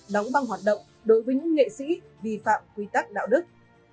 đóng băng hoạt động đối với những nghệ sĩ vi phạm quy tắc đạo đức